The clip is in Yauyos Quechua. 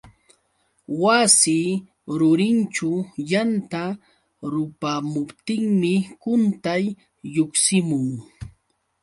Wasi rurinćhu yanta rupamuptinmi quntay lluqsimun.